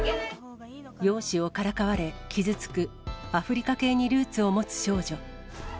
容姿をからかわれ、傷つくアフリカ系にルーツを持つ少女。